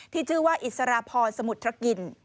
ที่ชื่อว่าอิสรพรสมุทรกิน